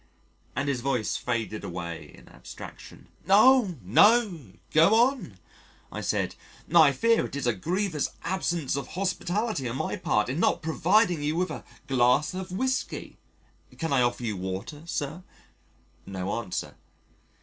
and his voice faded away in abstraction. "Oh! no go on," I said, "I fear it is a grievous absence of hospitality on my part in not providing you with a glass of whiskey. Can I offer you water, Sir?" No answer.